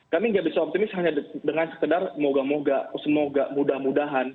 kami nggak bisa optimis hanya dengan sekedar moga moga semoga mudah mudahan